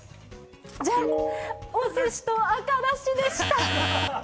じゃん、おすしと赤だしでした。